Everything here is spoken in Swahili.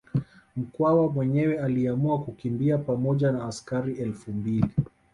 Mkwawa mwenyewe aliamua kukimbia pamoja na askari elfu mbili